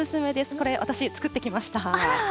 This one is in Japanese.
これ、私、作ってきました。